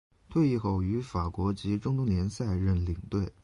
退役后于法国及中东联赛任领队。